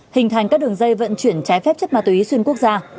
hình thành các đường dây vận chuyển trái phép chất ma túy xuyên quốc gia